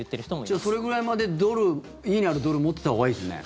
じゃあ、それぐらいまで家にあるドル持っていたほうがいいですね。